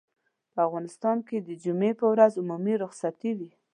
په افغانستان کې د جمعې پر ورځ عمومي رخصت وي.